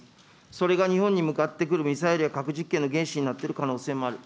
それが日本に向かってくるミサイルや核実験の原資になっている可能性もある。